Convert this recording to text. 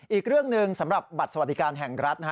อีกเรื่องหนึ่งสำหรับบัตรสวัสดิการแห่งรัฐ